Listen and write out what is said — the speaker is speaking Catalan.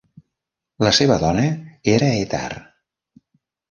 La seva dona era Etar.